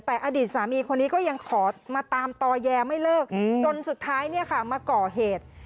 แต่อดีตสามีคนนี้ก็ยังขอมาตามต่อแยไม่เลิกจนสุดท้ายเนี่ยค่ะมาก่อเหตุ